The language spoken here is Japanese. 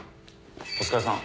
お疲れさん